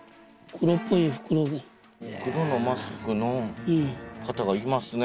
黒のマスクの方がいますね